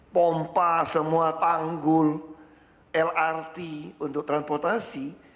pompa semua tanggul lrt untuk transportasi